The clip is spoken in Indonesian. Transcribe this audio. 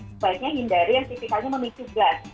sebaiknya hindari yang tipikalnya memicu gas